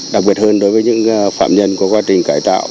đặc biệt hơn đối với những phạm nhân của quá trình cải tạo